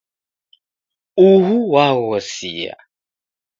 Uhu waghosia.